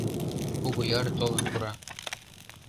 Кугуяр толын пура.